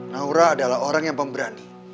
naura adalah orang yang pemberani